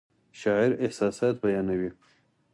شاعر احساسات بیانوي